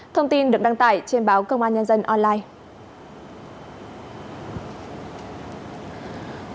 thông tin được đăng tải trên báo công an nhân dân online